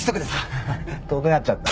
ハハハ遠くなっちゃった。